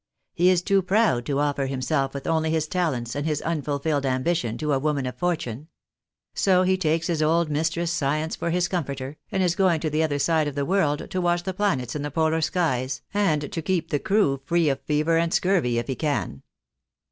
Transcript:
He is too proud to offer himself with only his talents and his unfulfilled ambition to a woman of fortune. So he takes his old mistress Science for his comforter, and is going to the other side of the world to watch the planets in the Polar skies, and to keep the crew free of fever and scurvy, if he can."